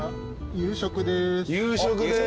夕食です。